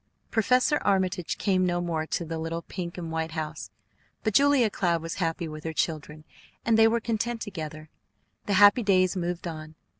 Professor Armitage came no more to the little pink and white house; but Julia Cloud was happy with her children, and they were content together. The happy days moved on.